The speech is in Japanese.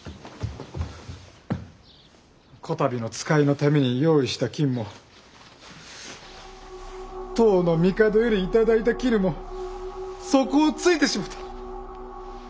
こたびの使いのために用意した金も唐の帝より頂いた絹も底をついてしもうた！